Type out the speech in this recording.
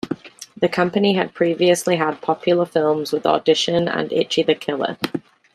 The company had previously had popular films with "Audition" and "Ichi the Killer".